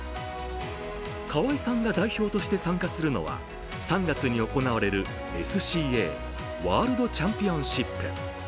川井さんが代表として参加するのは３月に行われるＳＣＡワールドチャンピオンシップ。